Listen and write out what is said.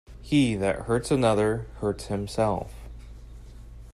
He that hurts another, hurts himself.